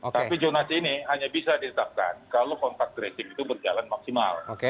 tapi jonasi ini hanya bisa ditetapkan kalau kontak tracing itu berjalan maksimal